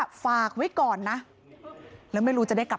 ปี๖๕วันเกิดปี๖๔ไปร่วมงานเช่นเดียวกัน